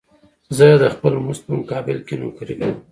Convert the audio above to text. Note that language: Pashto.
زه د خپل مزد په مقابل کې نوکري کوم